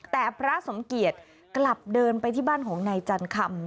แต่พระสมเกียจกลับเดินไปที่บ้านของนายจันคำ